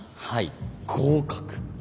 はい合格。